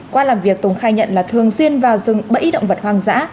qua làm việc tùng khai nhận là thường xuyên vào rừng bẫy động vật hoang dã